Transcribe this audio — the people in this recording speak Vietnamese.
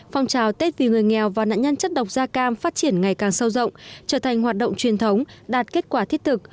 phong trào tết vì người nghèo và nạn nhân chất độc da cam phát triển ngày càng sâu rộng trở thành hoạt động truyền thống đạt kết quả thiết thực